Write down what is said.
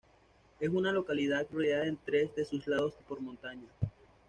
Es una localidad rodeada en tres de sus lados por montaña.